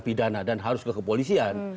pidana dan harus ke kepolisian